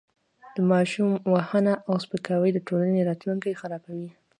د ماشوم وهنه او سپکاوی د ټولنې راتلونکی خرابوي.